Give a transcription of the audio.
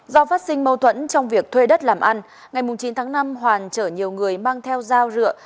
do phát sinh mâu thuẫn trong việc thuê đất làm ăn ngày chín tháng năm hoàn chở nhiều người mang theo dao rượu